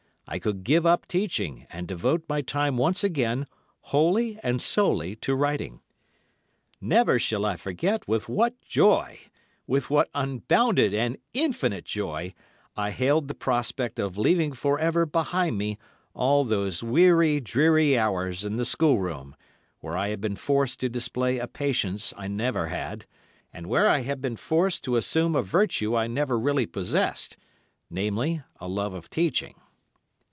I could give up teaching and devote my time once again, wholly and solely to writing. Never shall I forget with what joy—with what unbounded and infinite joy—I hailed the prospect of leaving for ever behind me all those weary, dreary hours in the schoolroom, where I had been forced to display a patience I never had, and where I had been forced to assume a virtue I never really possessed, namely, a love of teaching.